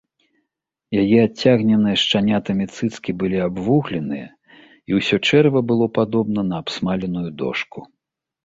Яе адцягненыя шчанятамі цыцкі былі абвугленыя, і ўсё чэрава было падобна на абсмаленую дошку.